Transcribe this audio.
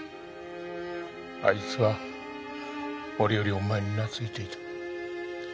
あいつは俺よりお前に懐いていた。